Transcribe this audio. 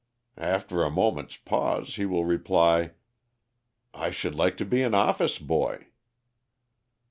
After a moment's pause he will reply: 'I should like to be an office boy.'